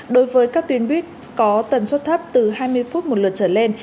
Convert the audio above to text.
đối với các tuyến buýt có tần suất thấp từ hai mươi phút một lượt trở lên